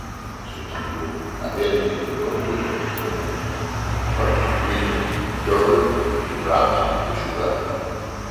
Ce trio a réalisé de nombreux enregistrements, en particulier de Beethoven, Brahms et Schubert.